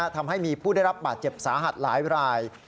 ทำให้มีผู้ได้รับบาดเจ็บสาหัสหลายราย